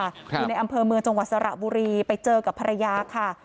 อยู่ในอำเภอเมืองจังหวัดสระบุรีไปเจอกับภรรยาค่ะ